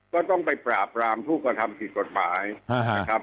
ก็ต้องไปปราบรามผู้กระทำผิดกฎหมายนะครับ